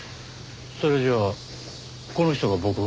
それじゃあこの人が僕を？